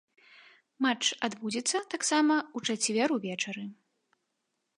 Матч адбудзецца таксама ў чацвер увечары.